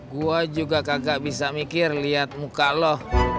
gue juga kagak bisa mikir liat muka lo